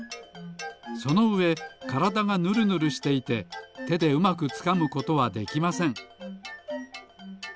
そのうえからだがぬるぬるしていててでうまくつかむことはできません。